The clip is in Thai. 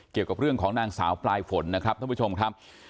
เกี่ยวกับเรื่องของนางสาวปลายฝนนะครับท่านผู้ชมครับ